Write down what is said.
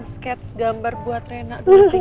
sketch gambar buat reina